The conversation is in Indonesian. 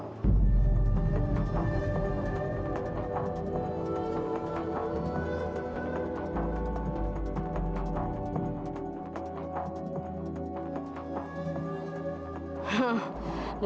kamu tak bisa